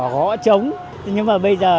gõ trống nhưng mà bây giờ